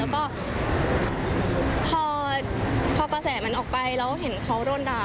พอกระแสออกไปแล้วเห็นเขาโดนด่า